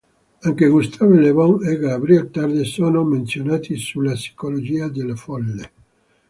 Anche Gustave Le Bon e Gabriel Tarde sono menzionati sulla psicologia delle folle.